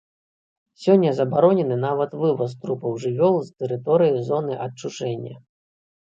Сёння забаронены нават вываз трупаў жывёл з тэрыторыі зоны адчужэння.